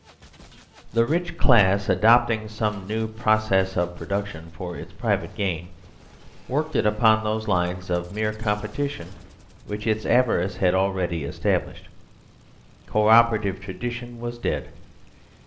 The rich class, adopting some new process of pro duction for its private gain, worked it upon those lines of mere competition which its avarice had al ready established. Co operative tradition was dead.